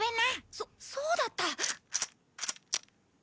そそうだった！